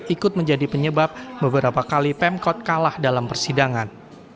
ikut menjadi penyebab beberapa kali pemkot kalah dalam persidangan